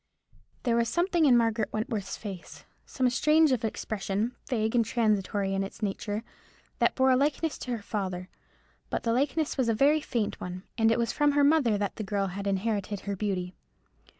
There was something in Margaret Wentworth's face, some shade of expression, vague and transitory in its nature, that bore a likeness to her father; but the likeness was a very faint one, and it was from her mother that the girl had inherited her beauty.